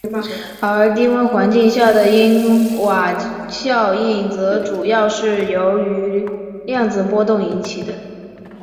而低温环境下的因瓦效应则主要是由于量子波动引起的。